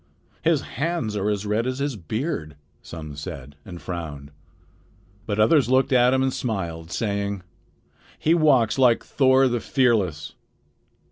"His hands are as red as his beard," some said, and frowned. But others looked at him and smiled, saying: "He walks like Thor the Fearless."